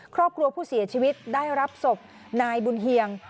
ครอบครัวผู้เสียชีวิตได้รับศพนายบุญเฮียง